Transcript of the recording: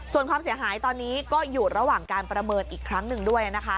ส่วนความเสียหายตอนนี้ก็อยู่ระหว่างการประเมินอีกครั้งหนึ่งด้วยนะคะ